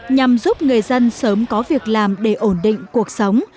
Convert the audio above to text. nhằm giúp người dân sớm có việc làm để ổn định cuộc sống